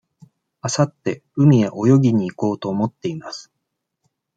あさって海へ泳ぎに行こうと思っています。